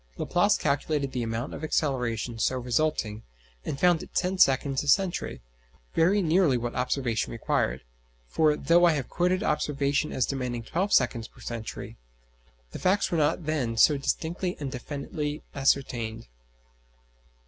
Laplace calculated the amount of acceleration so resulting, and found it ten seconds a century; very nearly what observation required; for, though I have quoted observation as demanding twelve seconds per century, the facts were not then so distinctly and definitely ascertained.